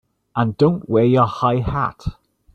And don't wear your high hat!